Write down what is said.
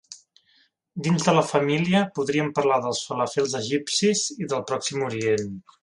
Dins de la família, podríem parlar dels falafels egipcis i del Pròxim Orient.